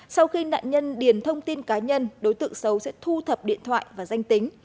sau khi nạn nhân điền thông tin cá nhân đối tượng xấu sẽ thu thập điện thoại và danh tính